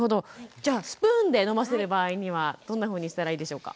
じゃあスプーンで飲ませる場合にはどんなふうにしたらいいでしょうか。